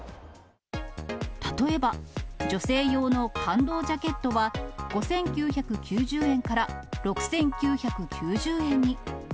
例えば、女性用の感動ジャケットは５９９０円から６９９０円に。